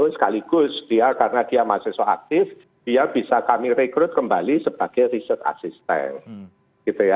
sekaligus karena dia masih soal aktif dia bisa kami rekrut kembali sebagai research assistant